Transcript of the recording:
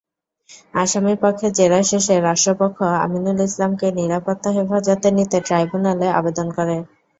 আসামিপক্ষের জেরা শেষে রাষ্ট্রপক্ষ আমিনুল ইসলামকে নিরাপত্তা হেফাজতে নিতে ট্রাইব্যুনালে আবেদন করে।